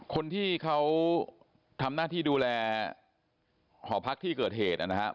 คนที่เขาทำหน้าที่ดูแลหอพักที่เกิดเหตุนะครับ